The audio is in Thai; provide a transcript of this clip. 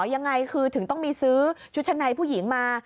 ยังไงคือถึงต้องมีซื้อชุดชั้นในผู้หญิงมา